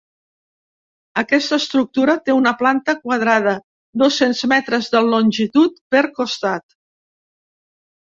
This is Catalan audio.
Aquesta estructura té una planta quadrada dos-cents metres de longitud per costat.